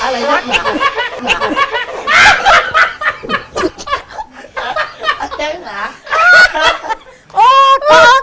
ลุงแรง